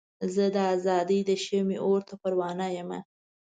زه د ازادۍ د شمعې اور ته پروانه یمه.